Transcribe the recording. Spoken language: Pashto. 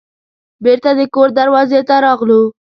بیرته د کور دروازې ته راغلو.